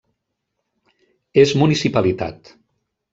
És municipalitat.